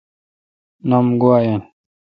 نوم گوا این۔